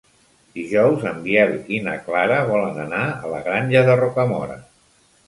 Dijous en Biel i na Clara volen anar a la Granja de Rocamora.